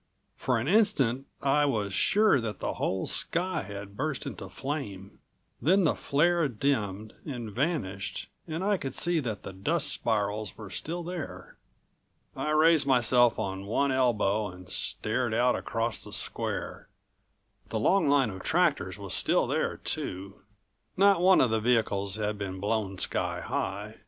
For an instant I was sure that the whole sky had burst into flame. Then the flare dimmed and vanished and I could see that the dust spirals were still there. I raised myself on one elbow and stared out across the square. The long line of tractors was still there, too. Not one of the vehicles had been blown sky high.